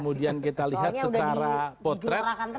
itu yang memang kita lihat secara potret